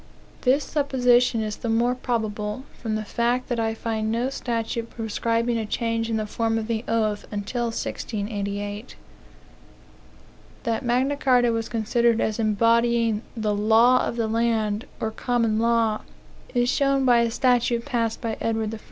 This supposition is the more probable, from the fact that I find no statute prescribing a change in the form of the oath until 1688. That Magna Carta was considered as embodying "the law of the land," or "common law," is shown by a statute passed by Edward I.